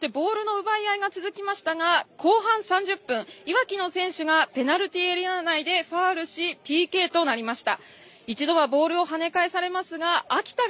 ボールの奪い合いが続きましたが後半３０分、いわきの選手がペナルティーエリア内でファウルし、ＰＫとなりました。